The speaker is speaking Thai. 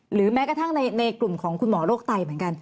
แม้กระทั่งในกลุ่มของคุณหมอโรคไตเหมือนกัน